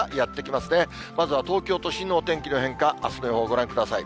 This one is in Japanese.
まずは東京都心のお天気の変化、あすの予報、ご覧ください。